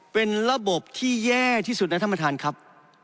เป็นระบบที่แย่ที่สุดนะท่านประธานครับ